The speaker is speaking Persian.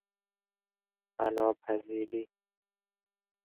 فنا پذیری